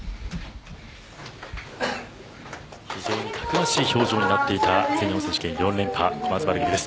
非常にたくましい表情になっていた全日本選手権４連覇小松原組です。